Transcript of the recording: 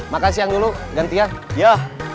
makan siang dulu gantian ya